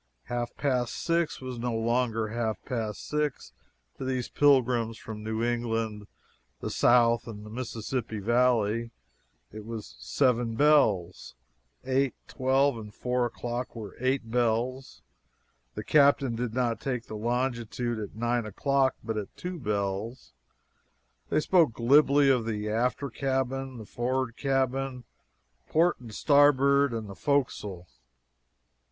Half past six was no longer half past six to these pilgrims from New England, the South, and the Mississippi Valley, it was "seven bells"; eight, twelve, and four o'clock were "eight bells"; the captain did not take the longitude at nine o'clock, but at "two bells." They spoke glibly of the "after cabin," the "for'rard cabin," "port and starboard" and the "fo'castle."